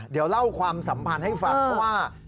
เดี๋ยวเล่าความสัมพันธ์ให้ฟังเพราะว่า